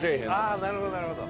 ああなるほどなるほど。